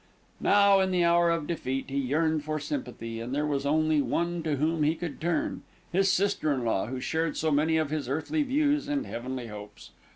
Now, in the hour of defeat, he yearned for sympathy, and there was only one to whom he could turn, his sister in law, who shared so many of his earthly views and heavenly hopes.